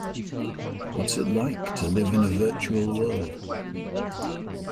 What's it like to live in a virtual world?